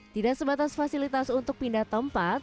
tidak sebatas fasilitas untuk pindah tempat